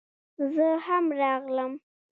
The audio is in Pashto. زه هم راغلم